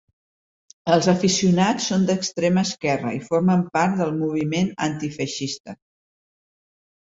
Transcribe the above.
Els aficionats són d'extrema esquerra i formen part del moviment antifeixista.